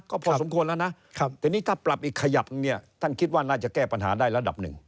ก็พอสมควรแล้วนะทีนี้ถ้าปรับอีกขยับหนึ่งเนี่ยท่านคิดว่าน่าจะแก้ปัญหาได้ระดับหนึ่ง